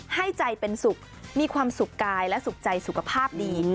ให้ใจเป็นสุขมีความสุขกายและสุขใจสุขภาพดี